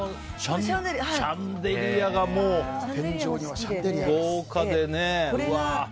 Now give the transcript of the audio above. シャンデリアがもう豪華でね。